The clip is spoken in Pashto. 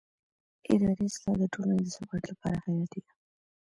اداري اصلاح د ټولنې د ثبات لپاره حیاتي دی